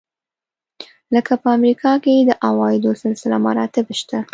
لکه په امریکا کې د عوایدو سلسله مراتب شته.